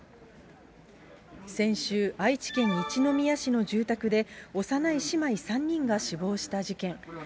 先週、愛知県一宮市の住宅で、幼い姉妹３人が死亡した事件。